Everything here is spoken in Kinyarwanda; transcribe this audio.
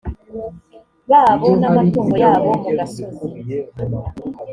babo n amatungo yabo mu gasozi